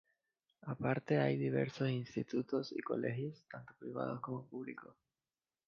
Aparte hay diversos institutos y colegios, tanto privados como públicos.